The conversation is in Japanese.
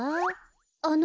あの。